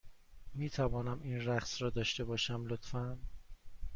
می توانم این رقص را داشته باشم، لطفا؟